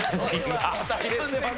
肩入れしてます。